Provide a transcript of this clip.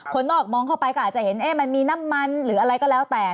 คนนอกมองเข้าไปก็อาจจะเห็นมันมีน้ำมันหรืออะไรก็แล้วแต่